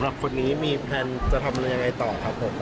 หลักคุณนี้มีแพลนจะทำอะไรยังไงต่อครับผม